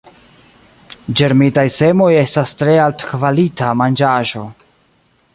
Ĝermitaj semoj estas tre altkvalita manĝaĵo.